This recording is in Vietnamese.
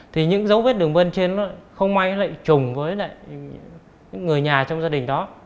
thì những dấu vết đường vân trên nó không may lại trùng với lại những người nhà trong gia đình đó